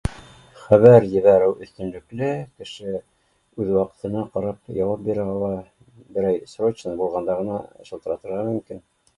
Хәбәр ебәреү өҫтөнлөклө, кеше үҙ ваҡытына ҡарап яуап бирә ала, берәй срочно булғанда ғына шылтыратырға мөмкин